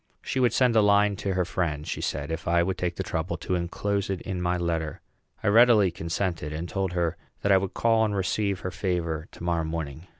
She would send a line to her friend, she said, if I would take the trouble to enclose it in my letter. I readily consented, and told her that I would call and receive her favor to morrow morning.